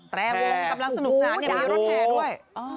แท้โอ้โฮจะได้รถแทร่ด้วย